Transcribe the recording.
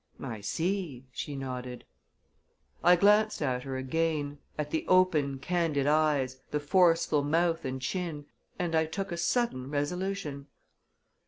"I see," she nodded. I glanced at her again at the open, candid eyes, the forceful mouth and chin and I took a sudden resolution.